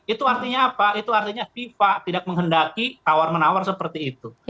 itu artinya apa itu artinya fifa tidak menghendaki tawar menawar seperti itu